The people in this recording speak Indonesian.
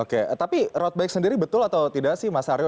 oke tapi road bike sendiri betul atau tidak sih mas aryo